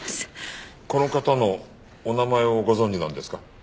この方のお名前をご存じなんですか？